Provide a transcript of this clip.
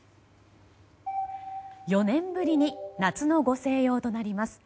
４年ぶりに夏のご静養となります。